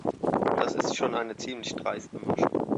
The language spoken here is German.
Das ist schon eine ziemlich dreiste Masche.